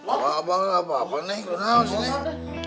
apa apa apa apa nih kenapa sih ini